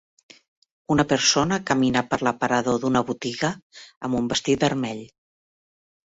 Una persona camina per l'aparador d'una botiga amb un vestit vermell.